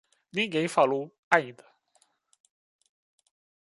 Ninguém falou ainda.